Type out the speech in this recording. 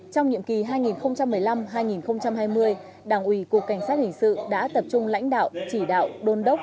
trong nhiệm kỳ hai nghìn một mươi năm hai nghìn hai mươi đảng ủy cục cảnh sát hình sự đã tập trung lãnh đạo chỉ đạo đôn đốc